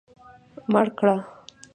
مړ کړه.